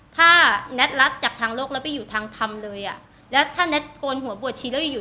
ถ้าแท็ตรัดจากทางโลกแล้วไปอยู่ทางธรรมเลยอ่ะแล้วถ้าแน็ตโกนหัวบวชชีแล้วอยู่อยู่